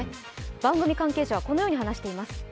番組関係者はこのように話しています。